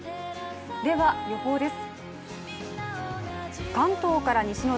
では、予報です。